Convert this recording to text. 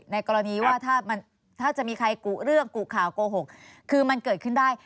กรณีว่าถ้าจะมีใครกุเรื่องกุข่าวโกหกคือมันเกิดขึ้นได้